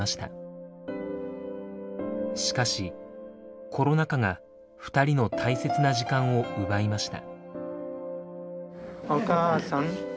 しかしコロナ禍が２人の大切な時間を奪いました。